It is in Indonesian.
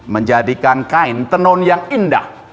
menjadikan kain tenun yang indah